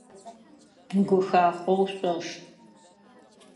Гухахъоу шъошх!